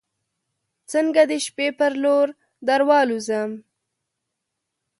څنګه د شپې پر لور دروالوزم